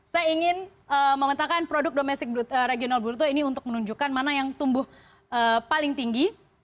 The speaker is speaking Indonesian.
saya ingin memetakkan produk domestic regional bruto ini untuk menunjukkan mana yang tumbuh paling tinggi